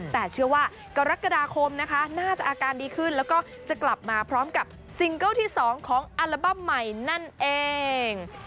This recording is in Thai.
แต่เชื่อว่ากรกฎาคมนะคะน่าจะอาการดีขึ้นแล้วก็จะกลับมาพร้อมกับซิงเกิลที่๒ของอัลบั้มใหม่นั่นเอง